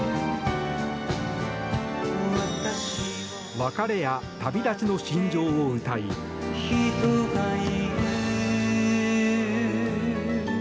別れや旅立ちの心情を歌い。